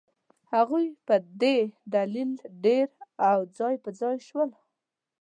هغوی په دې دلیل ډېر او ځای پر ځای شول.